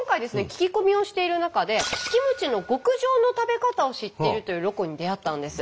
聞き込みをしている中でキムチの極上の食べ方を知っているというロコに出会ったんです。